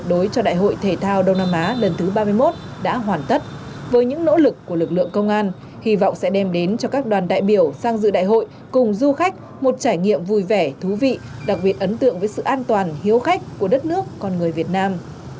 đối cho đại hội thể thao đông nam á lần thứ ba mươi một đã hoàn tất với những nỗ lực của lực lượng công an hy vọng sẽ đem đến cho các đoàn đại biểu sang dự đại hội cùng du khách một trải nghiệm vui vẻ thú vị đặc biệt ấn tượng với sự an toàn hiếu khách của đất nước con người việt nam